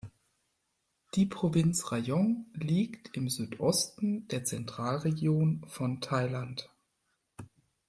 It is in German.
Die Provinz Rayong liegt im Südosten der Zentralregion von Thailand.